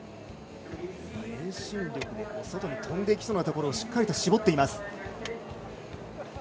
遠心力で外に飛んでいきそうなところをしっかりと絞っています。